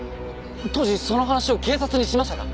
当時その話を警察にしましたか？